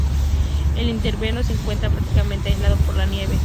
En el invierno se encuentra prácticamente aislado por la nieve.